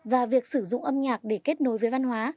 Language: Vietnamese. và việc sử dụng âm nhạc để kết nối với văn hóa